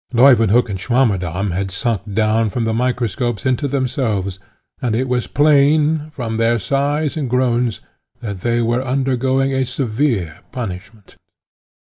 Leuwenhock and Swammerdamm had sunk down from the microscopes into themselves, and it was plain, from their sighs and groans, that they were undergoing a severe punishment.